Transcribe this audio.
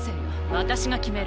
私が決める。